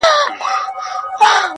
زه هم دعاوي هر ماښام كومه,